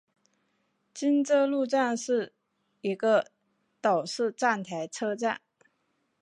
金周路站是一个岛式站台车站。